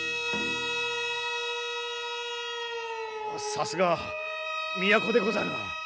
さすが都でござるな。